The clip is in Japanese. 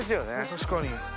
確かに。